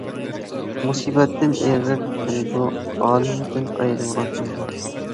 مۇسىبەتتىن ئېغىر تىنىدۇ، ئالىمىدىن ئايرىلغان ئۇيغۇر.